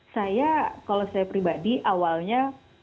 saya kalau saya pribadi awalnya